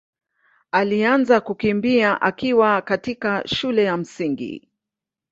alianza kukimbia akiwa katika shule ya Msingi.